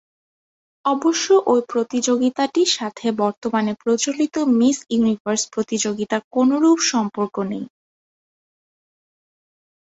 অবশ্য ঐ প্রতিযোগিতাটির সাথে বর্তমানে প্রচলিত মিস ইউনিভার্স প্রতিযোগিতার কোনরূপ সম্পর্ক নেই।